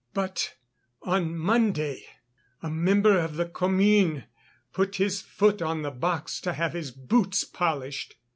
"But on Monday a Member of the Commune put his foot on the box to have his boots polished.